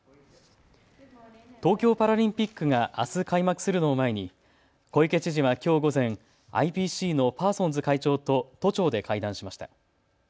東京パラリンピックがあす開幕するのを前に小池知事はきょう午前、ＩＰＣのパーソンズ会長と都庁で会談しました。